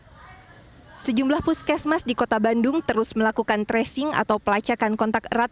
hai sejumlah puskesmas di kota bandung terus melakukan tracing atau pelacakan kontak erat